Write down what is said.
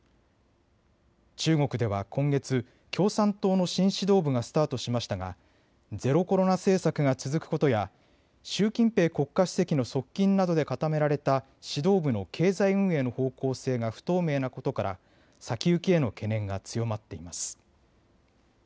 中国では今月、共産党の新指導部がスタートしましたがゼロコロナ政策が続くことや習近平国家主席の側近などで固められた指導部の経済運営の方向性が不透明なことから先行きへの懸念が強まっています。